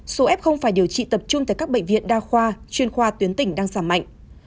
số f phải điều trị tập trung tại các bệnh viện đa khoa chuyên khoa tuyến tỉnh đang giảm mạnh